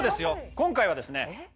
今回はですね。